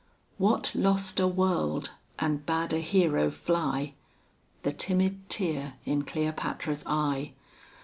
X What lost a world, and bade a hero fly? The timid tear in Cleopatra's eye.